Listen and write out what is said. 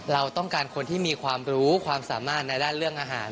เราต้องการคนที่มีความรู้ความสามารถในด้านเรื่องอาหาร